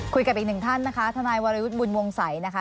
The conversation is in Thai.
คุยกับอีกหนึ่งท่านนะคะทนายวรยุทธ์บุญวงศัยนะคะ